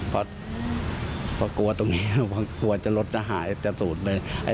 เพราะกลัวตรงนี้เพราะกลัวรถจะหายจะสูดเลย